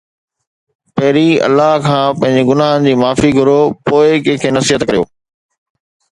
پهرين الله کان پنهنجي گناهن جي معافي گهرو، پوءِ ڪنهن کي نصيحت ڪريو